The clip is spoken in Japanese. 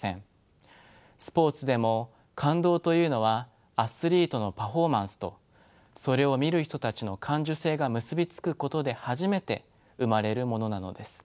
スポーツでも「感動」というのはアスリートのパフォーマンスとそれを見る人たちの感受性が結び付くことで初めて生まれるものなのです。